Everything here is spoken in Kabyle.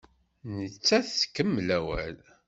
Nettat tkemmel awal.